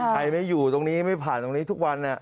ใครไม่อยู่ตรงนี้ไม่ผ่านตรงนี้ทุกวัน